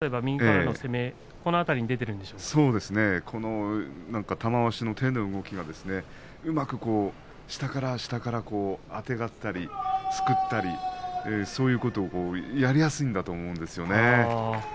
馬力に対しても下から右からの攻め、玉鷲の手の動きうまく下から下からあてがったり、すくったりそういうことをやりやすいんだと思うんですね。